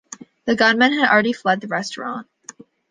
The gunmen had already fled the restaurant.